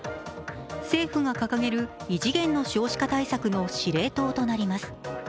政府が掲げる異次元の少子化対策の司令塔となります。